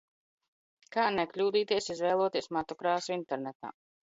Kā nekļūdīties izvēloties matu krāsu internetā?